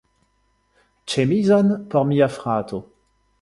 Ĉemizon por mia frato.